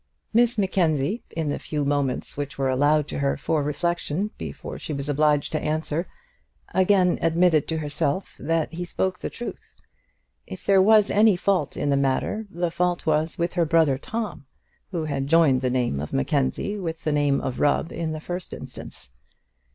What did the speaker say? Miss Mackenzie, in the few moments which were allowed to her for reflection before she was obliged to answer, again admitted to herself that he spoke the truth. If there was any fault in the matter the fault was with her brother Tom, who had joined the name of Mackenzie with the name of Rubb in the first instance.